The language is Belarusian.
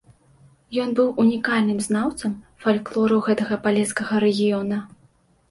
Ён быў унікальным знаўцам фальклору гэтага палескага рэгіёна.